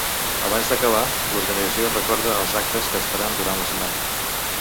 Abans d’acabar, l’organització recorda els actes que es faran durant la setmana.